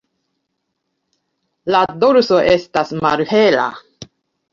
La dorso estas malhela.